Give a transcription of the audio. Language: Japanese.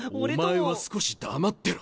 お前は少し黙ってろ。